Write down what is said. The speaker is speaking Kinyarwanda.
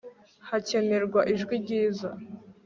hakenerwa ijwi ryiza